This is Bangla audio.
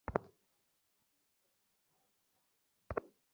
কল করার জন্য সরি, কিন্তু কি করব বুঝতে পারছি না।